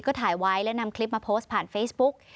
ก็ถ่ายไว้และนำคลิปมาโพสต์ผ่านเฟซบุ๊ก